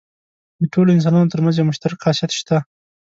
د ټولو انسانانو تر منځ یو مشترک خاصیت شته.